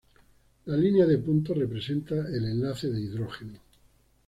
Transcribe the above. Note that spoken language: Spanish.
La línea de puntos representa el enlace de hidrógeno.